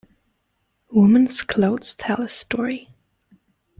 Women's clothes tell a story.